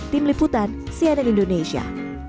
tim liputan cnn indonesia